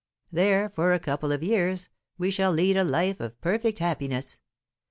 There, for a couple of years, we shall lead a life of perfect happiness.